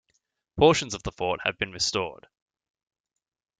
Portions of the fort have been restored.